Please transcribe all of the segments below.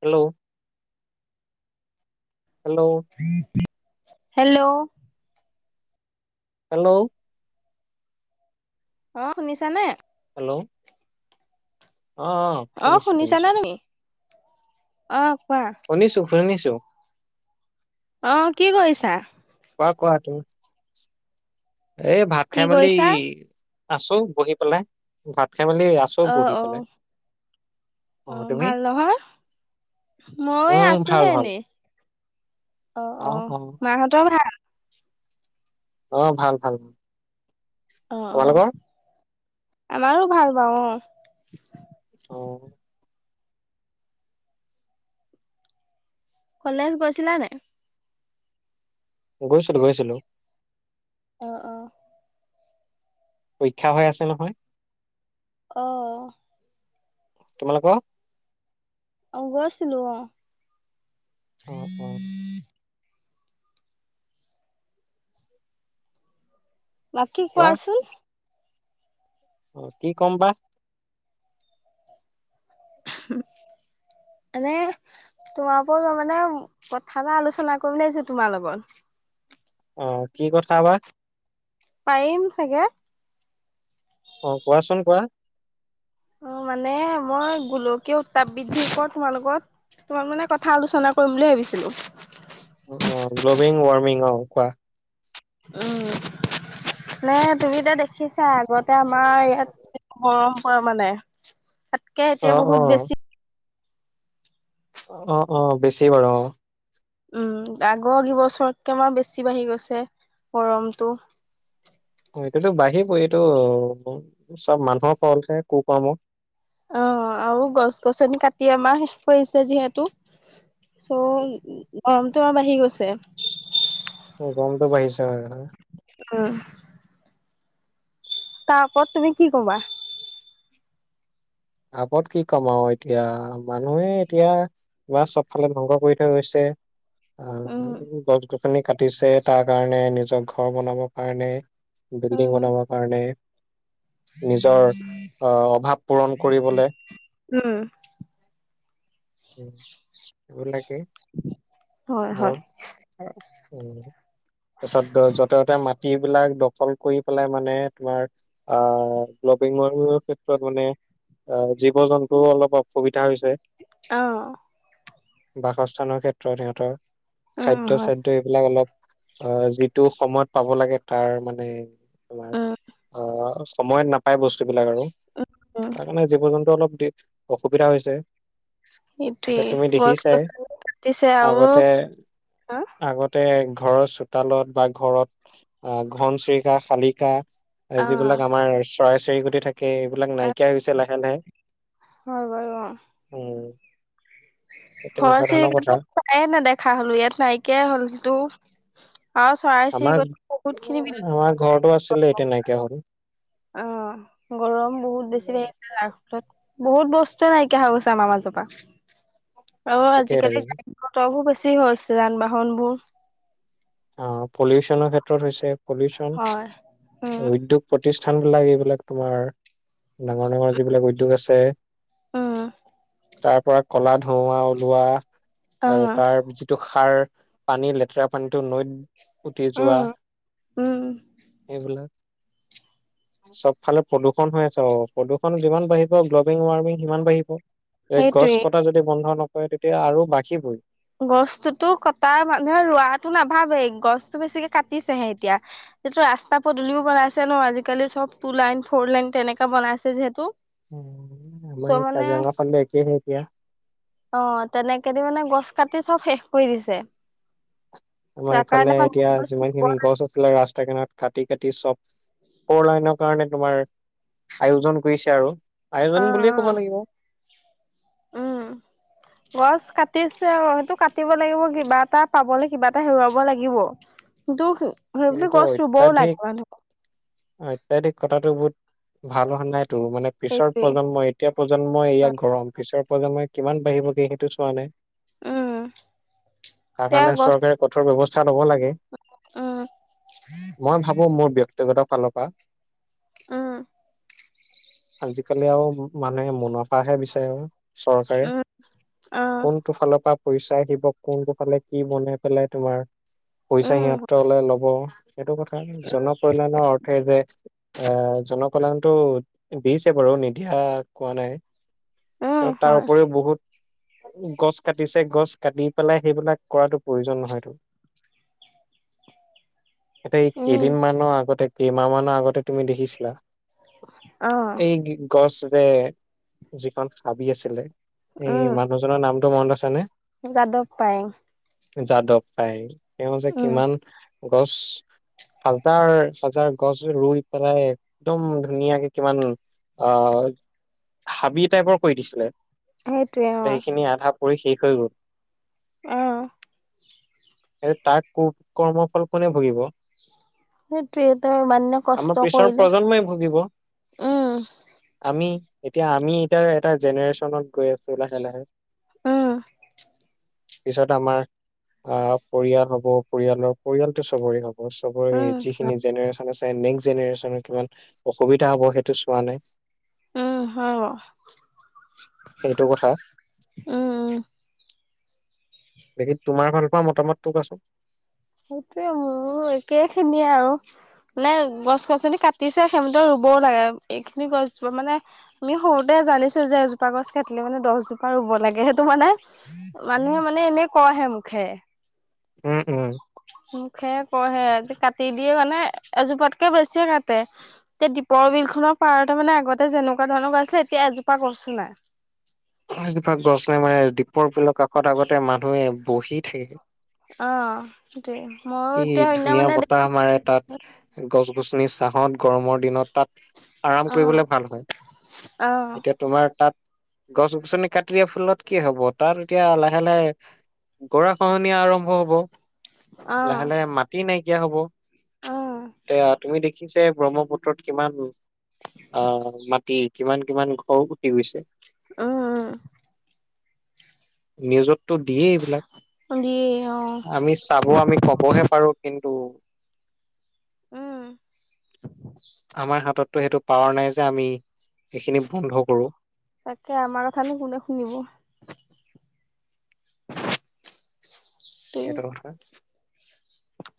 Hello. Hello hello. Hello. অ শুনিছা নে। হেল্ল'। অ অ অ শুনিছো শুনিছো শুনিছানা তুমি অ। কোৱা শুনিছো শুনিছো। অ কি কৰিছা? কোৱা কোৱা তুমি এ ভাত কি খাই মেলি কৰিছা আছো বহি পেলাই ভাত খে মেলি আছো অ বহি অ পেলাই। অ ভাল নহয় ময় উম ভাল আছোহে ভাল এনেই। অ অ মা সহঁতৰ ভাল? অ ভাল ভাল ভাল। অ অ তোমালোকৰ আমাৰো ভাল বাৰু অ। অ কলেজ গৈছিলা নাই গৈছিলো গৈছিলো। অ অ। পৰীক্ষা হৈ আছে নহয়। অহ। তোমালোক কোৱা গৈছিলো অ। অ অ বাকী কোৱা কোৱাচোন অ কি কম বা মানে তোমাৰ পৰিও মানে কথা এটা আলোচনা কৰিবলে আহিছো তোমাৰ লগত অ কি কথা বা পাৰিম চাগে। অ কোৱাচোন কোৱা। অ মানে মই গোলকীয় উত্তাপ বৃদ্ধিৰ ওপৰত তোমাৰ লগত তোমাক মানে কথা আলোচনা কৰিম বুলি ভাবিছিলো ছিলোঁ অ অ গ্ল'বেল ৱাৰ্মিং অ কোৱা। উম নে তুমি এ দেখিছা আগতে আমাৰ ইয়াত গৰম পৰে মানে তাতকে অ এতিয়া অ বহুত বেছি অ অ বেছি বাৰু অ উম আগৰ কিবছৰকে আমাৰ বেছি বাঢ়ি গৈছে গৰমটো। এইটোতো বাঢ়িবই এইটো চব মানুহৰ ফল হে কুকৰ্ম। অ আৰু গছ গছনি কাটি আমাৰ শেষ কৰিছে যিহেতু চ' গৰমটো আৰু বাঢ়ি গৈছে। গৰমতো বাঢ়িছে হয়। অ তাৰ ওপৰত তুমি কি কবা আগত কি কম আও এতিয়া মানুহে এতিয়া বাছ চবফালে ধ্বংস কৰি থৈ গৈছে। উম, আহ গছ গছনি কাটিছে তাৰ কাৰণে নিজৰ ঘৰ বনাবৰ কাৰণে। বিল্ডিং উম। বনাবৰ কাৰণে নিজৰ আহ অভাৱ পূৰণ কৰিবলে। উম উম সেইটি হয়, উ হয়। তাৰপিছত যতে ততে মাতি বিলাক দখল কৰি পেলাই মানে তোমাৰ আহ গ্লবিঙৰ ক্ষেত্ৰত মানে আহ জীৱ জন্তুও অলপ অসুবিধা হৈছে। অ বাসস্থানৰ ক্ষেত্ৰত সিহঁতৰ উম, খাদ্য হয়। চাদ্য এইবিলাক অলপ অ যিটো সময়ত পাব লাগে তাৰ মানে তোমাৰ উম, আহ সময়ত নাপায় বস্তুবিলাক আৰু উম, তাৰ কাৰণে জীৱ জন্তু অলপ দি অসুবিধা হৈছে। সেইটোৱে এতিয়া তুমি গছ - দেখিছাই গছনি কাটিছে আহো আগতে আগতে ঘৰৰ চোতালত বা ঘৰত আহ ঘন চিৰিকা, শালিকা আৰু যিবিলাক আমাৰ চৰাই চিৰিকটি থাকে এইবিলাক অ', নাইকিয়া হৈ গৈছে লাহে লাহে। হয় বাৰু অ উম ঘৰ তেনেকুৱা ধৰণৰ কথা চিৰিকাটো প্ৰায়ে নেদেখা হলো ইয়াত নাইকিয়াই হলতো। অ চৰাই আমাৰ চিৰিকতি বহুত খিনি আমাৰ ঘৰতো বিলুপ্ত আছিলে এতিয়া [unintelligible] নাইকিয়া হ'ল অ গৰম বহুত বেছি তাকে লাগিছে আৰু। বহুত বস্তুৱে নাইকিয়া হৈ গৈছে আমাৰ মাজৰ পৰা। অ তাকে আজিকালি গাড়ী মটৰ বোৰ বেছি হৈছে যান বাহন বোৰ। অ পলিউশ্যন ক্ষেত্ৰত হৈছে পলিউশ্যন হয় উম উদ্যগ প্ৰতিষ্ঠা- থান বিলাক এইবিলাক তোমাৰ ডাঙৰ ডাঙৰ যিবিলাক উদ্যোগ আছে। অ তাৰ পৰা কলা ধোৱা ওলোৱা আৰু আহ তাৰ যিটো সাৰ পানী লেতেৰা পানীতো নৈত উতি যোৱা উম উম সেইবিলাক।। [inaudible] চব ফালে প্ৰদূষণ হৈ আছে অ প্ৰদূষণ যিমান বাঢ়িব গ্ল'বেল ৱাৰ্মিং সিমান বাঢ়িব। এই গছ সেইটোৱেই কটা যদি বন্ধ নকৰে তেতিয়া আৰু বাঢ়িবই গছটোতো কটাৰ মানুহে ৰোৱাটো নাভাবে গছতো বেছিকে কাটিছেহে এতিয়া। যিটো ৰাস্তা পদূলিও বনাইছে ন আজিকালি চব টু লাইন ফৰ লাইন তেনেককা বনাইছে যিহেতু। আমাৰ চ' এই মানে কাজিৰঙা ফালে একেহে এতিয়া। অ তেনেকেদি মানে গছ কাটি চব শেষ কৰি দিছে। আমাৰ তাৰ এইফালে কাৰণে এতিয়া যিমান মানুহ অ খিনি গছ আছিলে ৰাস্তা কিনাত। কাটি কাটি চব ফৰলইনৰ কাৰণে তোমাৰ আয়োজন কৰিছে আৰু। অ আয়োজন বুলিয়ে ক'ব লাগিব। উম। গছ কাটিছে আৰু সেইটো কাটিব লাগিব কিবা এটা পাবলৈ কিবা এটা হেৰুৱাব লাগিব। দুখ হয় বুলি কিন্তু গছ ৰুবউ অত্যাধিক লাগিব [unintelligible] অত্যাধিক কথাটো বহুত ভাল হোৱা নাই টো। মানে পিছৰ সেইটোৱে প্ৰজন্ম এতিয়া প্ৰজন্মই ইয়াাক গৰম পিছত [unintelligible] কিমান বাঢ়িবগে সেইটো চোৱা নাই। উম তাৰ তেওঁ কাৰণে গছ চৰকাৰে কঠোৰ ব্যৱস্থা ল'ব লাগে। উম মই ভাবোঁ মোৰ ব্যক্তিগত ফালৰ পা উম আজিকালি আৰু মানে মুনাফাহে বিচাৰে আৰু। চৰকাৰে উম অ কোনটো ফালৰ পৰা। পইচা আহিব কোনটো ফালে কি বনাই পেলাই তোমাৰ পইচা উম সিহঁতলে লব। এইটো কথা জন কল্যাণৰ অৰ্থে যে। আহ জনকলল্যাণটো দিছে বাৰু নিদিয়া কোৱা নাই। উম আৰু তাৰ হয় উপৰিও বহুত গছ কাটিছে গছ কাটি পেলাই সেইবিলাক কৰাটো প্ৰয়োজন নহয়টো।। [inaudible] এই উম কেইদিন মানৰ আগতে কেইমাহ মানৰ আগতে তুমি দেখিছিলা। অ এই গছৰে যিখন হাবি আছিলে। এই উম মানুহজনৰ নামটো মনত আছ নে। যাদৱ পায়েং। যাদৱ পায়েং তেওঁ যে উম কিমান গছ হাজাৰ হাজাৰ গছ ৰুই পেলাই একদম ধুনীয়াকে কিমান অ হাবি টাইপৰ কৰি দিছিলে। সেইটোৱে অ। পঢ়ি শেষ হৈ গ'ল। অ। এ তাৰ কু কৰ্মফল কোনে ভুগিব। সেইটোৱে তেওঁ ইমান দিনে কষ্ট আমাৰ পিছৰ কৰিলে প্ৰজন্মই ভুগিব। উম আমি এতিয়া আমি এতিয়া এটা জেনেৰেশ্যনত গৈ আছো লাহে লাহে। অ। পিছত আমাৰ আহ পৰিয়াল হব পৰিয়ালৰ পৰিয়ালটো চবৰে হব। চবৰে এই উম যিখিনি জেনেৰেশ্যন নেক্ জেনেৰেশ্যনৰ কিমান অসুবিধা হ'ব সেইটো চোৱা নাই। উম হ উম সেইটো কথা উম। দেখি তোমাৰ ফালৰ পৰা মতামত তো কোৱাচোন সেইটোৱে মোৰো একে খিনিয়ে আৰু মানে গছ গছনি কাটিছে সেইমতেও ৰু- ব লাগে এইখিনি গছজোপা মানে আমি সৰুতে জানিছো যে এজোপা গছ কাটিলে মানে দহজোপা ৰু- ৰুব লাগে সেইটো মানে মানুহে মানে এনে কইহে মুখেৰে উম উম মুখেৰে কৈ হে কাটি দিয়ে মানে এজোপাতকে বেছিয়ে কাটে, তে দীপৰ বিল খনৰ পাৰতে মানে আগতে যেনেকুৱা ধৰণৰ গৈ আছিলে, এতিয়া এজোপা গছো নাই। এজোপা গছ নাই মানে দ্বীপৰ বিল কাষত আগতে মানুহে বহি থাকে। অ সেইটোৱে মইয়ো কি এতিয়া সেইদিনা ধুনীয়া মানে বতাহ দেখিছো মাৰে তাত, গছ- গছনিৰ চাহত, গৰমৰ দিনত তাত আৰাম কৰিবলে ভাল হয়। অ অ এতিয়া তোমাৰ তাত গছ গছনি কাটি দিয়া ফুলত কি হব, তাৰ এতিয়া লাহে লাহে গৰা খহনীয়া আৰম্ভ হব, লাহে অ', লাহে মাটি নাইকিয়া হব, অ', এয়া তুমি দেখি ছে ব্ৰহ্মপুত্ৰত কিমান দূৰ আহ মাটি কিমান কিমান ঘৰ উুটি গৈছে। অ অ নিউজত টো দিয়ে এইবিলাক, উম, দিয়ে অ', আমি চাব আমি কবহে পাৰো কিন্তু [unintelligible] আমাৰ হাততো সেইটো পাৱাৰ নাই যে আমি সেইখিনি বন্ধ কৰো। তাকে আমাৰো খালি কোনে শুনিব। [inaudible] এইটো কথা।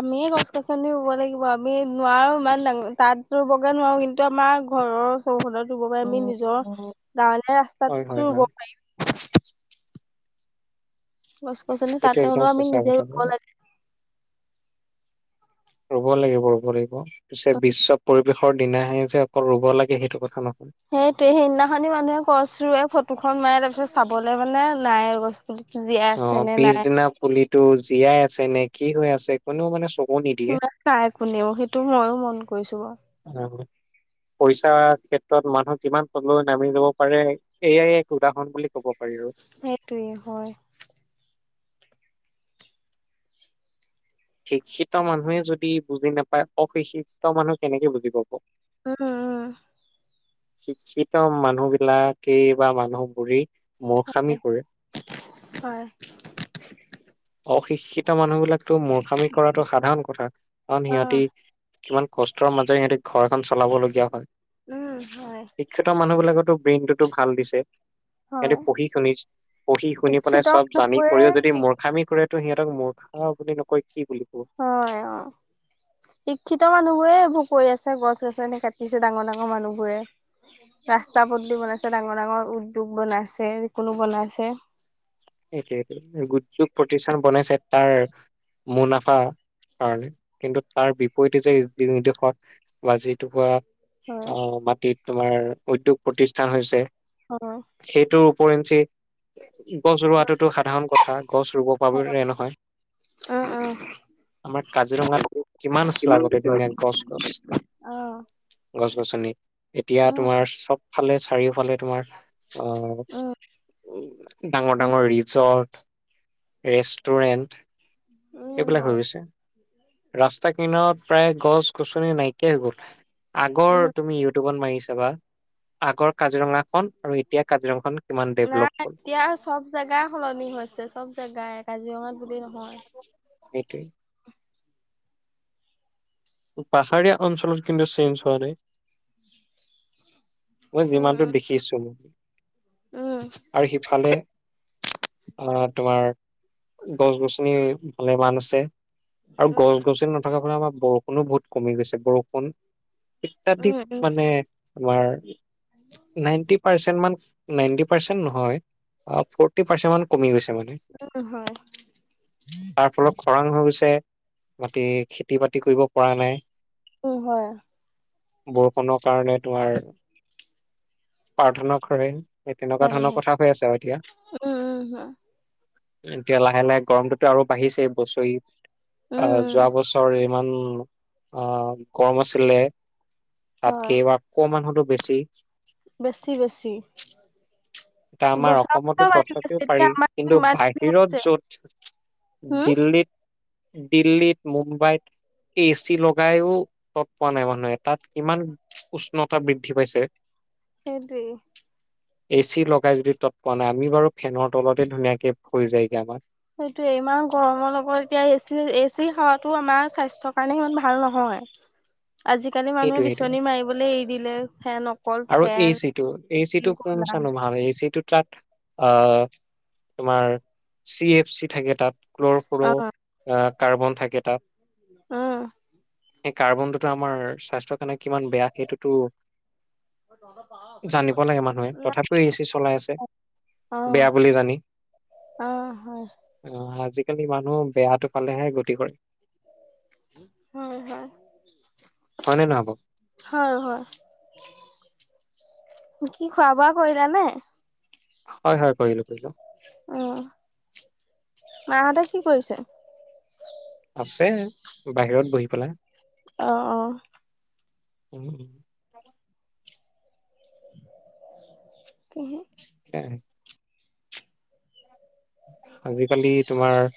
আমিয়ে গছ গছনি ৰুব লাগিব, আমি নোৱাৰো ইমান ডাঙৰ তাঁত ৰুবগে নোৱাৰো কিন্তু আমাৰ আমাৰ ঘৰৰ চৌহদত ৰুব পাৰি আমি নিজৰ গৱলীয়া হয় ৰাস্তাতোত হয় তো ৰুব হয় পাৰিম। গছ গছনি এইটো তাতে একদম হ'লেও আমি সঁচা নিজে কথা। ৰুব লাগে ৰুব লাগিব ৰুব লাগিব, পিছে বিশ্ব পৰিৱেশ ৰ দিনা হে যে অকল ৰুব লাগে সেইটো কথা নহয়। সেইটো সেইদিনাখনি মানুহে গছ ৰোৱে ফটোখন মাৰে, তাৰপিছত চাবলৈ মানে নাই। পুলিটো জীয়াই অ আছে নে পিছ নাই। দিনা পুলিতো জীয়াই আছে নে, কি হৈ আছে, কোননেও মানে চকু চকু নিদিয়ে। নাচাই কোনেও সেইটো মইয়ো মন কৰিছো বাৰু। নাগৰিক পইচাৰ ক্ষেত্ৰত মানুহ কিমান তললৈ নামি লব পাৰে, এয়াই এক উদাহৰণ বুলি ক'ব। পাৰি আৰু। সেইটোৱে হয়। শিক্ষিত মানুহে যদি বুজি নাপায়, অশিক্ষিত মানুহ কেনেকে বুজি পাব। উম উম শিক্ষিত মানুহ বিলাকে বা মানুহবোৰে মূৰ্খামি কৰে। হয়। অশিক্ষিত মানুহ বিলাকতো মূৰ্খামি কৰাটো সাধাৰণ কথা, কাৰণ সিহঁতি অ', কিমান কষ্টৰ মাজেৰে সিহঁতি ঘৰ এখন চলাবলগীয়া হয়, উম, হয়, শিক্ষিত মানুহবিলাকত ব্ৰেইনতো ভাল দিছে। সিহতে হয়, পঢ়ি- শুনি পঢ়ি- শুনি পেলাই শিক্ষিত চব জানি মানুহবোৰে কৰিও যদি মূৰ্খামি তো সিহঁতক মূৰ্খা বুলি নকয়। হয় অ শিক্ষিত মানুহবোৰে মোক কৈ আছে গছ -গছনী কাটিছে ডাঙৰ ডাঙৰ মানুহবোৰে। ৰাস্তা পদূলি বনাইছে, ডাঙৰ ডাঙৰ উদ্যোগ বনাইছে, এ কোনো বনাইছে সেইটোৱেটো দুৰ্যোগ প্ৰতিষ্ঠান বনাইছে তাৰ মুনাফা কাৰণে কিন্তু তাৰ বিপৰীতে যে নিৰ্দেশৰ বা যিটোপা হয়, অ মাটিত তোমাৰ উদ্যোগ প্ৰতিষ্ঠান হৈছে, হয়। সেইটোৰ উপৰেন য়েঞ্চি গছ ৰোৱাটোতো সাধাৰণ কথা, গছ ৰুব পাব ৰে নহয়? উম, উম। আমাৰ কাজিৰঙাত কিমান আছিল আগতে ধুনীয়া গছ -গছ? অ', গছ- গছনি এতিয়া উম, তোমাৰ চবফালে চাৰিওফালে তোমাৰ অ উম ডাঙৰ উম, ডাঙৰ ৰিছ তত ৰেষ্টুৰেন্ট উম, এইবিলাক হৈ হয়, গৈছে। ৰাস্তা কিনাৰত প্ৰায় গছ-গছনি নাইকিয়া হৈ গ'ল। আগৰ উম। তুমি ইউটিউবত মাৰি ছাবা আগৰ কাজিৰঙাখন আৰু এতিয়া কাজিৰঙা কিমান নাই ডেভলপ হ'ল? এতিয়া চব জেগাই সলনি হৈছে চব জেগাই কাজিৰঙাত বুলি নহয়। [unintelligible] পাহাৰীয়া অঞ্চলত কিন্তু চেঞ্জ হোৱা নাই। মই যিমানটো দেখিছোং উম, আৰু সিফালে অ তোমাৰ গছ -গছনি ভালে মান আছে। আৰু উম, গছ -গছনি নথকাৰ ফালে আমাৰ বৰষুণো বহুত কমি গৈছে। বৰষুণ অত্যাধিক উম, উম, মানে তোমাৰ নাইনটি পাৰ্চেন্টমান নাইনটি পাৰ্চেন্ট নহয়। অ ফৰ্টি পাৰ্চেণ্ট মান কমি গৈছে। নেকি উম হয়, তাৰ ফলত খৰাং হৈ গৈছে। মাতি খেতি -বাতি কৰিব পৰা নাই। উম হয়। বৰষুণৰ কাৰণে তোমাৰ প্ৰাৰ্থনাও কৰে। এই তেনেকুৱা হয়, ধৰণৰ হয়, কথা হৈ আছে আৰু এতিয়া। উম, উম, হয়। এতিয়া লাহে লাহে গৰমটোতো আৰু বাঢ়িছেই বছৰি আহ উম, যোৱা বছৰে ইমান অ গৰম আছিলে তাতকে হয় এইবাৰ অকমানহতো বেছি বেছি। এয়া আমাৰ বছৰ অসমতো বছৰ বাঢ়ি গৈছে তথাপিও এতিয়া পাৰি আমাৰ কিন্তু ইমানখিনি হৈছে বাহিৰত য'ত হম দিল্লীত দিল্লীত, মুম্বাইত এ চি লগাইও তৎ পোৱা নাই মানুহে, তাত কিমান উষ্ণতা বৃদ্ধি পাই ছে। সেইটোৱে। এ চি লগাই যদি তৎ পোৱা নাই আমি বাৰু ফেনৰ তলতে ধুনীয়াকে হৈ যায়গে আমাৰ। সেইটো এমান গৰমৰ লগত এতিয়া এচি এচি হাৱাতো আমাৰ স্বাস্থ্যৰ কাৰণে ইমান ভাল নহ য়, আজিকালি সেইটোৱে মানুহে সেইটোৱে বিচনী মাৰিবলে এৰি দিলে। ফেন অকল আৰু ফেন এচিটো এচি এচিটো কোন ক'লা চানো ভাল এচিটো তাত আহ তোমাৰ চি এফ চি থাকে তাত ক্লৰফুৰ, অ', আহ কাৰ্বন থাকে তাত। উম। সেই কাৰ্বনটোতো আমাৰ স্বাস্থ্যৰ কাৰণে কিমান বেয়া সেইটোতো জানিব লাগে মানুহে, তথাপিও এ চি চলাই আছে। বেয়া বুলি জানি অহ হয় অ আজিকালি মানুহ বেয়াটো ফালেহে গতি কৰে হয় হয় হয় নে নহব হয় হয় কি খোৱা বোৱা কৰিলা নে হয় হয় কৰিলো কৰিলো অ', মাহঁতে কি কৰিছে? আছে বাহিৰত বহি পেলাই অহ অ উম কিহল এ আজিকালি তোমাৰ